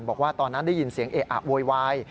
บอกว่าตอนนั้นได้ยินเสียงเอะอะโวยวาย